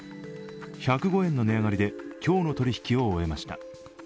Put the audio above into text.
１０５円の値上がりで今日の取り引きを終えました。